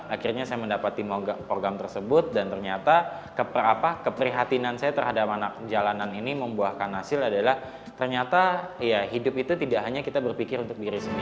akhirnya saya mendapati program tersebut dan ternyata keprihatinan saya terhadap anak jalanan ini membuahkan hasil adalah ternyata ya hidup itu tidak hanya kita berpikir untuk diri sendiri